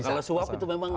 kalau suap itu memang